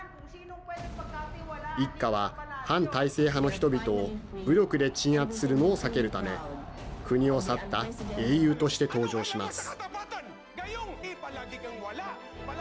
一家は反体制派の人々を武力で鎮圧するのを避けるため国を去った英雄として登場します。